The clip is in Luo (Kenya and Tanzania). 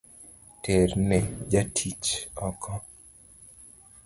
Terne jatich oko